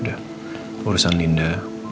udah urusan linda